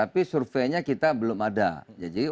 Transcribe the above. pertanyaan mana tadi